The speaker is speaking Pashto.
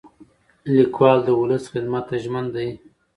لیکوال د ولس خدمت ته ژمن دی.